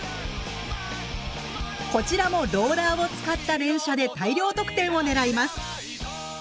こちらもローラーを使った連射で大量得点を狙います。